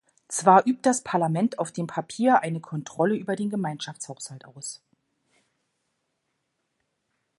Zwar übt das Parlament auf dem Papier eine Kontrolle über den Gemeinschaftshaushalt aus.